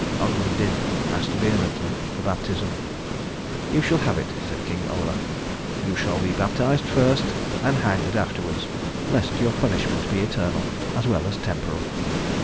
Ogmund Dint asked vehemently for baptism. "You shall have it," said King Olaf. "You shall be baptized first and hanged afterwards, lest your punishment be eternal as well as temporal."